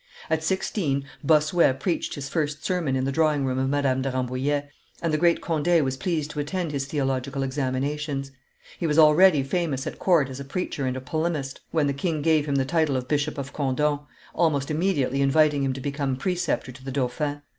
At sixteen, Bossuet preached his first sermon in the drawing room of Madame de Rambouillet, and the great Conde was pleased to attend his theological examinations. He was already famous at court as a preacher and a polemist when the king gave him the title of Bishop of Condom, almost immediately inviting him to become preceptor to the dauphin.